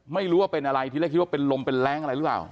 ไม่รู้ว่าเป็นอะไรที่แรกคิดว่าเป็นลมเป็นแรงอะไรหรือเปล่า